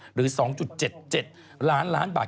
หรือ๒๗๗ล้านล้านบาท